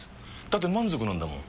だって満足なんだもん。